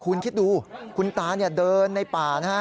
คุณคิดดูคุณตาเดินในป่านะฮะ